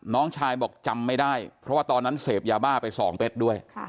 น้องชายบอกจำไม่ได้เพราะว่าตอนนั้นเสพยาบ้าไป๒เม็ดด้วย